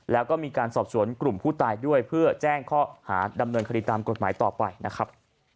แล้วก็มีการสอบสวนกลุ่มผู้ตายด้วยเพื่อแจ้งข้อหาดำเนินคดีตามกฎหมายต่อไปนะครับ